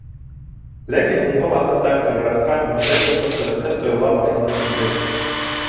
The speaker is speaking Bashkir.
Ләкин һуңғы ваҡытта Ҡыҙырасҡа бындай дуҫлыҡ ҡыҙыҡһыҙ тойола башланы инде.